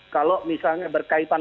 kalau misalnya berkaitan